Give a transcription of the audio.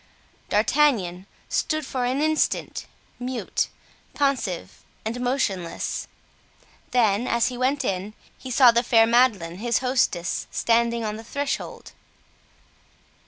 D'Artagnan stood for an instant, mute, pensive and motionless; then, as he went in, he saw the fair Madeleine, his hostess, standing on the threshold.